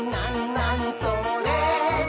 なにそれ？」